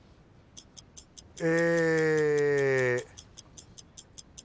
え。